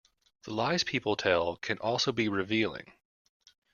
The lies people tell can also be revealing.